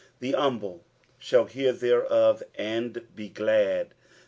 " The humble thall hear thereof, and be glad."